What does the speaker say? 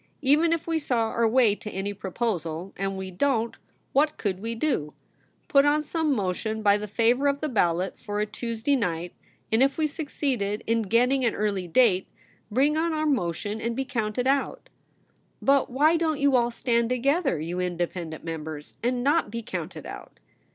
Even if w^e saw our way to any proposal — and we don't — what could we do ? Put on some motion by the favour of the ballot for a Tuesday night ; and if we succeeded in get 90 THE REBEL ROSE. ting an early date, bring on our motion, and be counted out.' * But why don't you all stand together, you independent members, and not be counted out?'